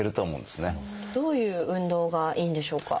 どういう運動がいいんでしょうか？